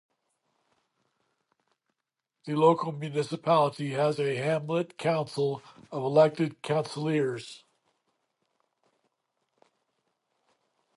The local municipality has a Hamlet Council of elected councillors.